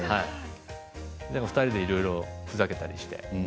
２人で、いろいろふざけたりして。